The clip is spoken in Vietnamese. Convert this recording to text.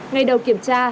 ngay đầu kiểm tra